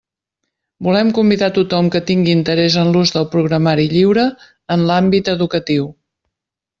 Volem convidar tothom que tingui interès en l'ús del programari lliure en l'àmbit educatiu.